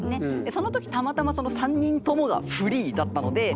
その時たまたまその３人ともがフリーだったのでなんか